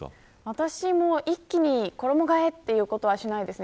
私も、一気に衣替えということはしないですね。